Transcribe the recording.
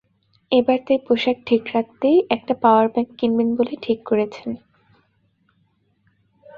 এবার তাই পোশাক ঠিক রাখতেই একটা পাওয়ার ব্যাংক কিনবেন বলে ঠিক করেছেন।